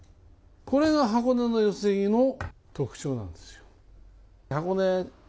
これが箱根の寄木の特徴なんですよ。